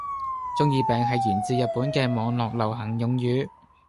中二病係源自日本嘅網絡流行用語